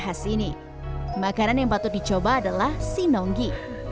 di sini makanan yang patut dicoba adalah sinonggi